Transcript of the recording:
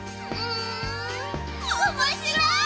おもしろい」